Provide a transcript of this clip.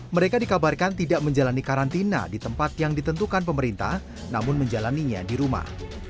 mereka dikabarkan tidak menjalani karantina di tempat yang ditentukan pemerintah namun menjalannya di rumah